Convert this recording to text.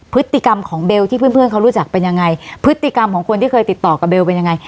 พฤติกรรมของเบลที่เพื่อนเพื่อนเขารู้จักเป็นยังไงพฤติกรรมของคนที่เคยติดต่อกับเบลเป็นยังไง